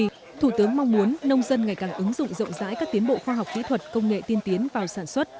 vì vậy thủ tướng mong muốn nông dân ngày càng ứng dụng rộng rãi các tiến bộ khoa học kỹ thuật công nghệ tiên tiến vào sản xuất